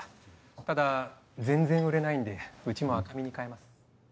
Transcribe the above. ただ全然売れないんでうちも赤身に変えます。